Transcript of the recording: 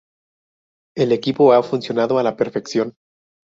El equipo ha funcionado a la perfección.